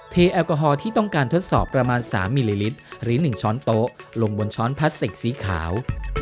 แอลกอฮอลที่ต้องการทดสอบประมาณ๓มิลลิลิตรหรือ๑ช้อนโต๊ะลงบนช้อนพลาสติกสีขาว